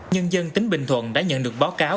nhân dân tỉnh bình thuận đã nhận được báo cáo